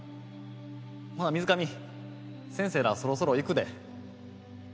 ほな水上先生らそろそろ行くで。